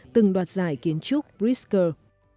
từng đoạt giải kiến trúc briscoe